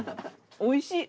おいしい。